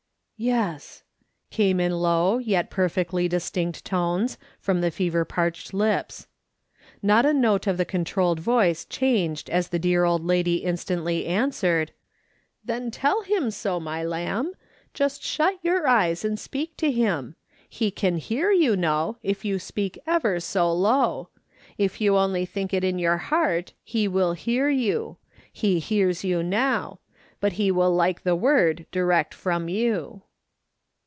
" Yes," came in low, yet perfectly distinct tones, from the fever parched lips. Not a note of the controlled voice changed as the dear old lady instantly answered :" Then tell him so, my lamb ; just shut your eyes and speak to him ; he can hear, you know, if you speak ever so low. If you only think it in your heart he will hear you; he hears you now ; but iie will like the word direct from you."